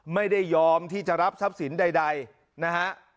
ไม่ยอมที่จะรับทรัพย์สินใดนะฮะ